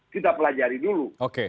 kita pelajari dulu